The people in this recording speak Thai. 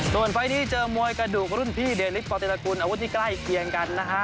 ส่วนไฟล์นี้เจอมวยกระดูกรุ่นพี่เดริสปเตรกุลอาวุธที่ใกล้เคียงกันนะฮะ